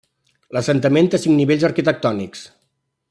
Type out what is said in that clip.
L'assentament té cinc nivells arquitectònics.